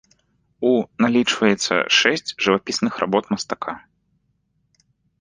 У налічваецца шэсць жывапісных работ мастака.